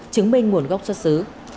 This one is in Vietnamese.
chứng minh nguồn gốc xuất xứ